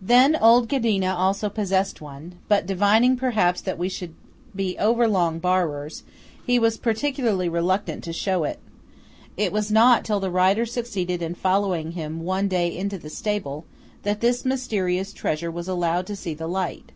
Then old Ghedina also possessed one; but, divining perhaps that we should be over long borrowers, was particularly reluctant to show it. It was not till the writer succeeded in following him one day into the stable, that this mysterious treasure was allowed to see the light.